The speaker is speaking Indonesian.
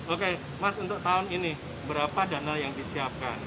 oke mas untuk tahun ini berapa dana yang disiapkan